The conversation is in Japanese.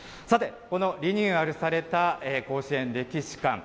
さて、このリニューアルされた甲子園歴史館。